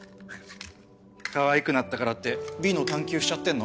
かわいくなったからって美の探求しちゃってんの？